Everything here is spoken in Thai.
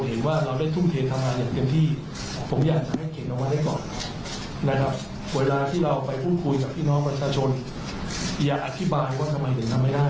ผมเชื่อว่าทุกท่านสนับดีว่าเป็นเรื่องที่สำคัญที่สุดในช่วงระหว่างนี้